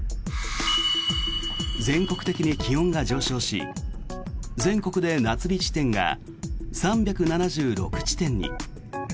全国的に気温が上昇し全国で夏日地点が３７６地点に。